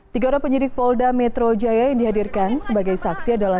tiga orang penyidik polda metro jaya yang dihadirkan sebagai saksi adalah